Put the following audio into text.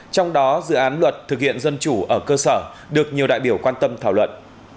trong đó dự án luật thực hiện dân chủ ở cơ sở được nhiều đại biểu quan tâm thảo luận